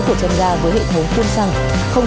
của chân ga với hệ thống khuôn xăng